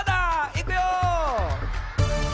いくよ！